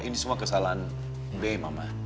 ini semua kesalahan b mama